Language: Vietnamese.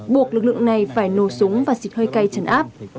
buộc lực lượng này phải nổ súng và xịt hơi cây trần áp